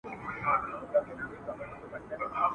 پرون یې کلی، نن محراب سبا چنار سوځوي `